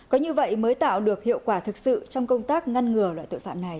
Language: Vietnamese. có như vậy mới tạo được hiệu quả thực sự trong công tác ngăn ngừa loại tội phạm này